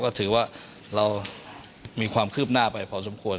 ก็ถือว่าเรามีความคืบหน้าไปพอสมควร